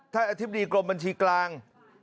อธิบดีกรมบัญชีกลาง